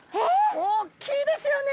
おっきいですよね！